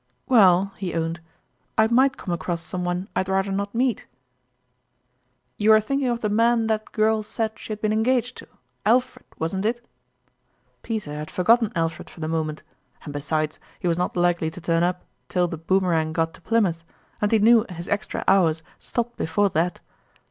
" Well," he owned, " I might come across some one I'd rather not meet." " You are thinking of the man that girl l)e Culminating QH)erjne. 141 said she had been engaged to Alfred, wasn't it?" Peter had forgotten Alfred for the moment ; and besides, he was not likely to turn up till the Boomerang got to Plymouth, and he knew his extra hours stopped before that.